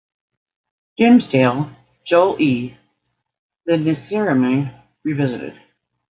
Dimsdale, Joel E. The Nacirema Revisited.